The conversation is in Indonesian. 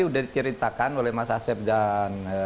sudah diceritakan oleh mas asep dan